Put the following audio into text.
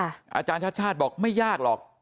อาจารย์ชาติชาติบอกไม่ยากหรอก